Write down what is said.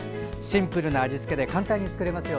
シンプルな味付けで簡単に作れますよ。